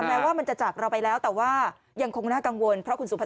แม้ว่ามันจะจากเราไปแล้วแต่ว่ายังคงน่ากังวล